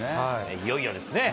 いよいよですね。